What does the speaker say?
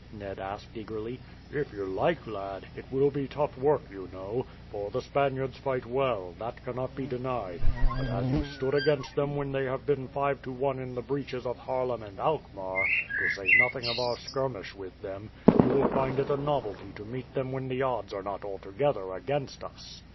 Ned asked eagerly. "If you like, lad. It will be tough work, you know; for the Spaniards fight well, that cannot be denied. But as you stood against them when they have been five to one in the breaches of Haarlem and Alkmaar, to say nothing of our skirmish with them, you will find it a novelty to meet them when the odds are not altogether against us."